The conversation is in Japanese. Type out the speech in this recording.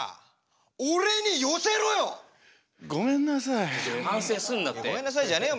いやごめんなさいじゃねえよ。